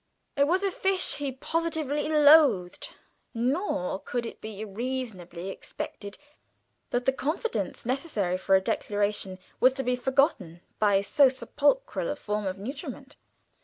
It was a fish he positively loathed, nor could it be reasonably expected that the confidence necessary for a declaration was to be forgotten by so sepulchral a form of nutriment.